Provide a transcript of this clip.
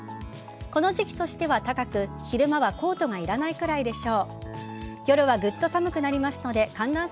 この時期としては高く昼間はコートがいらないくらいでしょう。